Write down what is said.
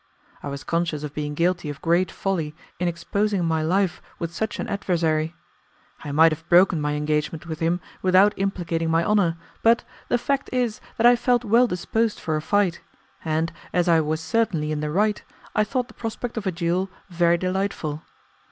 I was conscious of being guilty of great folly in exposing my life with such an adversary. I might have broken my engagement with him without implicating my honour, but, the fact is that I felt well disposed for a fight, and as I was certainly in the right I thought the prospect of a duel very delightful.